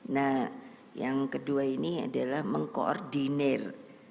nah yang kedua ini adalah mengkoordinir